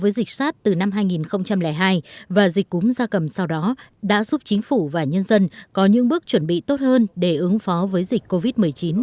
với dịch sars từ năm hai nghìn hai và dịch cúm gia cầm sau đó đã giúp chính phủ và nhân dân có những bước chuẩn bị tốt hơn để ứng phó với dịch covid một mươi chín